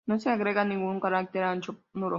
No se agrega ningún carácter ancho nulo.